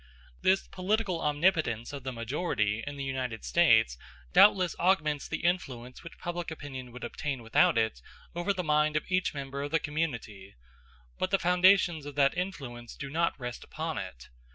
This political omnipotence of the majority in the United States doubtless augments the influence which public opinion would obtain without it over the mind of each member of the community; but the foundations of that influence do not rest upon it.